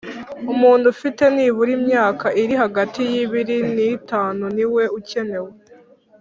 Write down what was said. umuntu ufite nibura imyaka iri hagati y’ ibiri ni itanu niwe ucyenewe